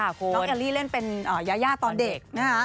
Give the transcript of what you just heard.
น้องแอลลี่เล่นเป็นยายาตอนเด็กนะคะ